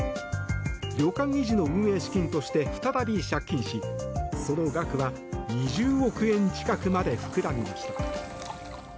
旅館維持の運営資金として再び借金しその額は２０億円近くまで膨らみました。